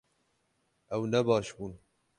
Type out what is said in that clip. Ew ne baş bûn